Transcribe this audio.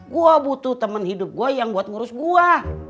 gue butuh teman hidup gue yang buat ngurus gue